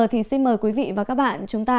thì xin mời quý vị và các bạn chúng ta